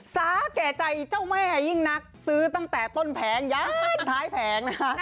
สาแก่ใจเจ้าแม่ยิ่งนักซื้อตั้งแต่ต้นแผงย้ายท้ายแผงนะคะ